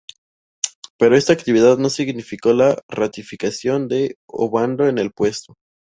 Pero esta actividad no significó la ratificación de Ovando en el puesto.